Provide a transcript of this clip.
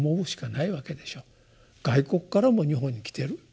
外国からも日本に来てる。